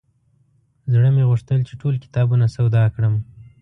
زړه مې غوښتل چې ټول کتابونه سودا کړم.